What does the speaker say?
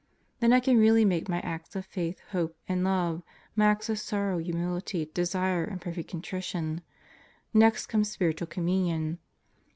Then I can really make my Acts of Faith, Hope, and Love, my Acts of Sorrow, Humility, Desire, and Perfect Contrition. Nest comes Spirit ual Communion.